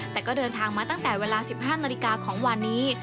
แต่ก็เดินทางมาตั้งแต่เวลา๑๕นาฬิกาของวันนี้